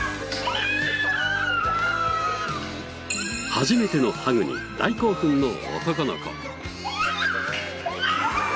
初めてのハグに大興奮の男の子。